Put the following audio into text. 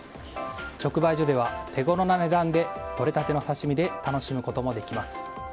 直売所では手ごろな値段でとれたての刺し身で楽しむこともできます。